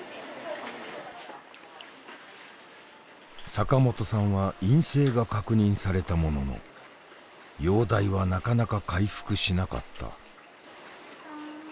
坂本さんは陰性が確認されたものの容体はなかなか回復しなかった。